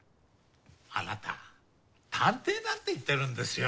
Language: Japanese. あなた探偵なんて言ってるんですよ。